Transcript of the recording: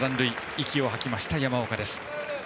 息を吐きました、山岡です。